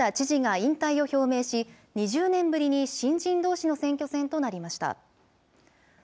５期務めた知事が引退を表明し、２０年ぶりに新人どうしの選挙戦となりました。